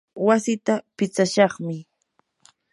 wasiita pitsashaqmi.